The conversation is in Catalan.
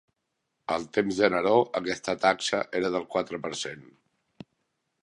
Al temps de Neró aquesta taxa era del quatre per cent.